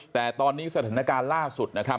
แต่ตอนนี้สถานการณ์ล่าสุดนะครับ